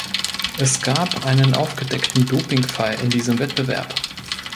Es gab einen aufgedeckten Dopingfall in diesem Wettbewerb.